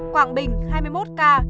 quảng bình hai mươi một ca